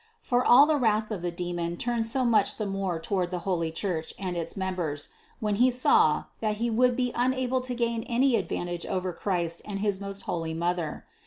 For all the wrath of the demon turned so much the more to ward the holy Church and its members, when he saw, that he would be unable to gain any advantage over Christ and his most holy Mother.